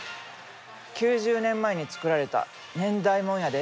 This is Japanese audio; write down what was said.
９０年前に作られた年代物やで。